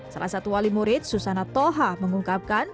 salah satu wali murid susana toha mengungkapkan